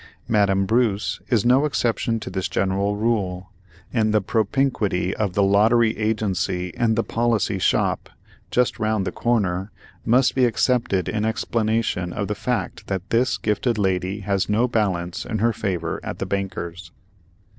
Madame Bruce is no exception to this general rule, and the propinquity of the "lottery agency" and the "policy shop," just round the corner, must be accepted in explanation of the fact that this gifted lady has no balance in her favor at the banker's.